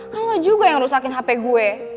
kan lo juga yang rusakin hp gue